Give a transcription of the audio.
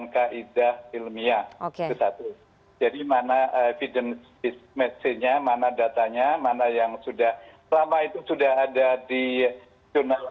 jadi mana evidence match nya mana datanya mana yang sudah selama itu sudah ada di jurnal